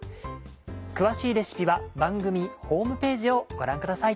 詳しいレシピは番組ホームページをご覧ください。